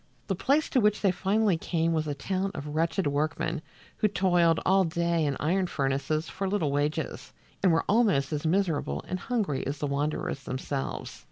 The place to which they finally came was a town of wretched workmen who toiled all day in iron furnaces for little wages, and were almost as miserable and hungry as the wanderers themselves.